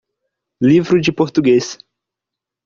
Livro de Português.